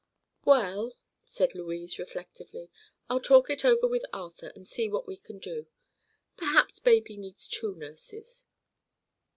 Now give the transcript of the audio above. "Well," said Louise, reflectively, "I'll talk it over with Arthur and see what we can do. Perhaps baby needs two nurses.